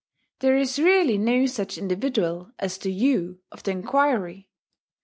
There is really no such individual as the 'you' of the inquiry.